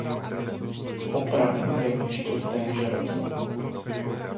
Opraven byl ještě v témže roce.